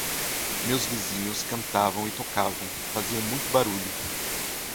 Meus vizinhos cantavam e tocavam, faziam muito barulho.